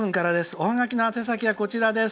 おはがきの宛先はこちらです。